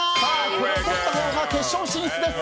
これをとったほうが決勝進出です。